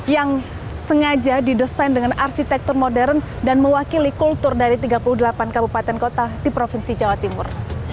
yang sengaja didesain dengan arsitektur modern dan mewakili kultur dari tiga puluh delapan kabupaten kota di provinsi jawa timur